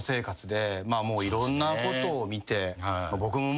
いろんなことを見て。